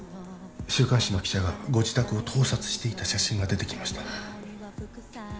週刊誌の記者がご自宅を盗撮していた写真が出てきました